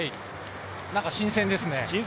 なんか新鮮ですね。